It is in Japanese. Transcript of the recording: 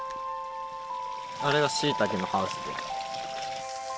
あれがしいたけのハウスです。